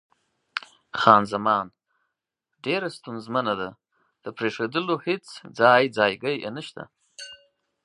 خان زمان: ډېره ستونزمنه ده، د پرېښودلو هېڅ ځای ځایګی یې نشته.